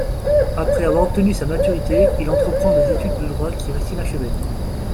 Après avoir obtenu sa maturité, il entreprend des études de droit qui restent inachevées.